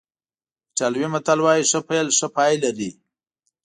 ایټالوي متل وایي ښه پیل ښه پای لري.